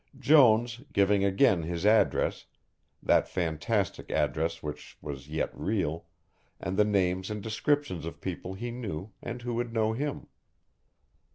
Jones, giving again his address, that fantastic address which was yet real, and the names and descriptions of people he knew and who would know him.